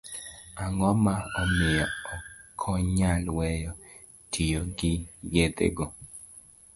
Ang'o ma omiyo okonyal weyo tiyo gi yedhe go?